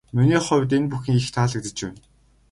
Миний хувьд энэ бүхэн их таалагдаж байна.